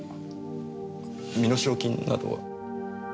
身代金などは？